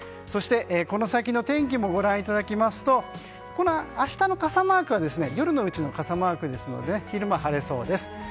そして、この先の天気もご覧いただきますと明日の傘マークは夜のうちの傘マークですので昼間は晴れそうです。